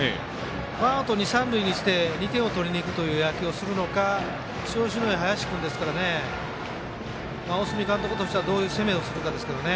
ワンアウト、二塁三塁にして２点を取りに行く野球をするのか調子がいい林君ですからね大角監督としてはどういう攻めをするかですけどね。